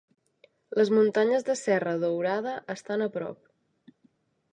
Les Muntanyes de Serra Dourada estan a prop.